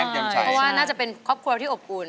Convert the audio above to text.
เพราะว่าน่าจะเป็นครอบครัวที่อบอุ่น